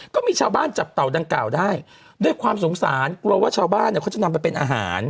ก็มีชาวบ้านจับเต่าดังกล่าวได้ด้วยความสงสารกลัวว่าชาวบ้านเนี่ยเขาจะนำไปเป็นอาหาร